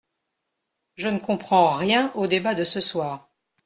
Je ne comprends rien au débat de ce soir.